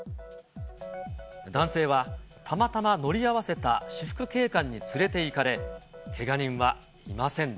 男性は、たまたま乗り合わせた私服警官に連れていかれ、けが人はいません